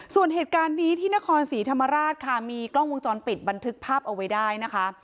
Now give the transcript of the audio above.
ส่วนเหตุการณ์นี้ที่นครศรีธรรมราชค่ะมีกล้องวงจรปิดบันทึกภาพเอาไว้ได้นะคะ